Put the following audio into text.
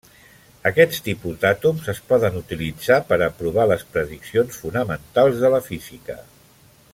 Aquest tipus d'àtoms es poden utilitzar per a provar les prediccions fonamentals de la física.